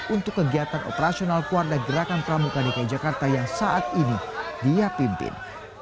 untuk kegiatan operasional kuarda gerakan pramuka dki jakarta yang saat ini dia pimpin